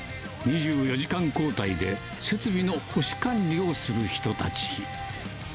２４時間交代で、設備の保守管理をする人たち。